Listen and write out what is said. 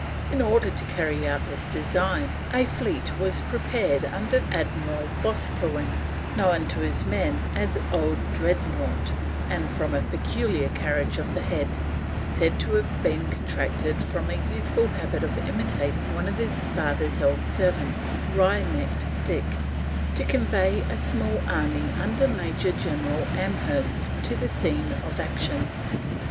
In order to carry out this design a fleet was prepared under Admiral Boscawen (known to his men as Old Dreadnought, and, from a peculiar carriage of the head, said to have been contracted from a youthful habit of imitating one of his father's old servants, Wry necked Dick), to convey a small army under Major General Amherst to the scene of action.